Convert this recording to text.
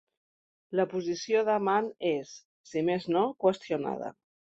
La posició d'amant és, si més no, qüestionada.